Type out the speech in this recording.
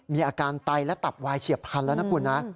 มีอาการไตและตับวายเฉียบพันธุ์แล้วนะคุณนะ